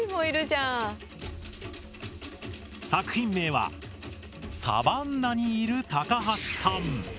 作品名は「サバンナにいる高橋さん」。